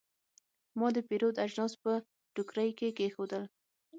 ما د پیرود اجناس په ټوکرۍ کې کېښودل.